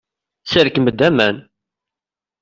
Serkem-d aman.